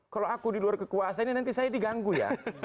kalau aku di luar kekuasaan ini nanti saya diganggu ya